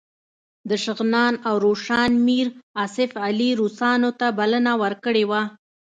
د شغنان او روشان میر آصف علي روسانو ته بلنه ورکړې وه.